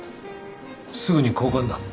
すぐに交換だ。